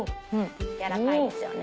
柔らかいですよね。